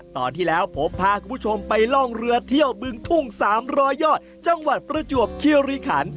ตอนที่แล้วผมพาคุณผู้ชมไปล่องเรือเที่ยวบึงทุ่ง๓๐๐ยอดจังหวัดประจวบคิริขัน